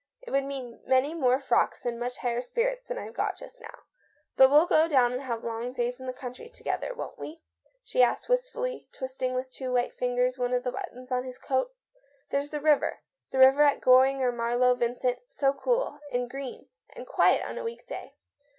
It would mean many more frocks and much higher spirits than I've got just now. But we'll go down and have long days in the country together, won't we?" she asked wistfully, twisting with two white fingers one of the buttons on his coat. " There's the river — the river at Goring or Marlowe, Vincent, so cool, and green, and quiet on a weekday